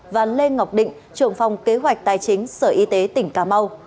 và lê ngọc định trưởng phòng kế hoạch tài chính sở y tế tỉnh cà mau